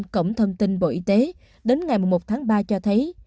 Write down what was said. cổng thông tin bộ y tế đến ngày một tháng ba cho thấy